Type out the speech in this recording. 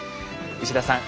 牛田さん